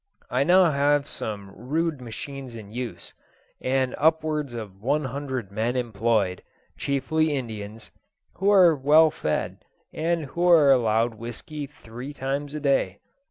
I have now some rude machines in use, and upwards of one hundred men employed, chiefly Indians, who are well fed, and who are allowed whisky three times a day.